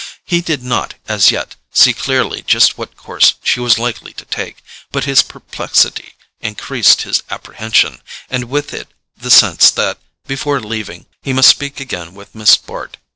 He did not, as yet, see clearly just what course she was likely to take, but his perplexity increased his apprehension, and with it the sense that, before leaving, he must speak again with Miss Bart.